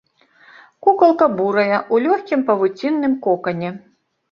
Кукалка бурая, у лёгкім павуцінным кокане.